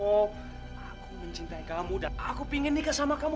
oh aku mencintai kamu dan aku ingin nikah sama kamu